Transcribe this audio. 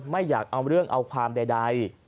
ไม่อยากเอาเรื่องเอาความใด